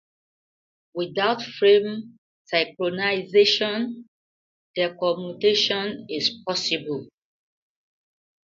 Without frame synchronization, decommutation is impossible.